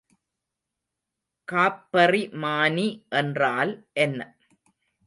காப்பறிமானி என்றால் என்ன?